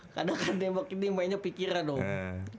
karena kan nembak ini mainnya pikiran dong